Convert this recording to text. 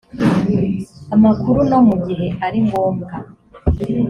amakuru no mu gihe ari ngombwa